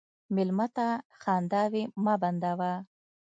مېلمه ته خنداوې مه بندوه.